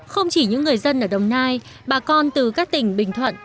không chỉ những người dân ở đồng nai bà con từ các tỉnh bình thuận